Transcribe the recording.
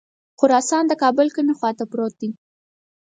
خراسان د کابل کومې خواته پروت دی.